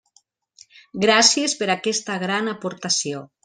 Gràcies per aquesta gran aportació.